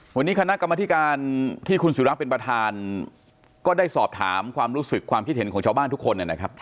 วันนี้คณะกรรมธิการที่คุณศิราเป็นประธานก็ได้สอบถามความรู้สึกความคิดเห็นของชาวบ้านทุกคนนะครับ